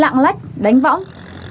lạng lách đánh võng